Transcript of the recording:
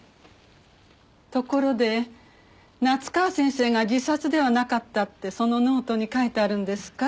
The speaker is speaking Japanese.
ところで夏河先生が自殺ではなかったってそのノートに書いてあるんですか？